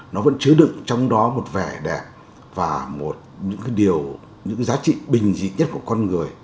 nó vẫn chứa đựng trong đó một vẻ đẹp và một những cái điều những cái giá trị bình dị nhất của con người